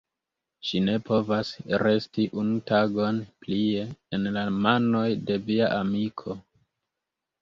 Ŝi ne povas resti unu tagon plie en la manoj de via amiko.